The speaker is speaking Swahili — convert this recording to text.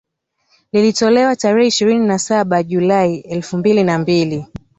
Lililotolewa tarehe ishirini na saba Julai elfu mbili na mbili